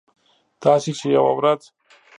تاسې چې یوه ورځ